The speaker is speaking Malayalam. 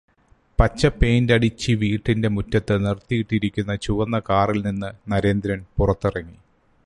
പച്ച പെയിന്റടിച്ചി വീടിന്റെ മുറ്റത്ത് നിറുത്തിയിട്ടിരിക്കുന്ന ചുവന്ന കാറില് നിന്ന് നരേന്ദ്രൻ പുറത്തേക്കിറങ്ങി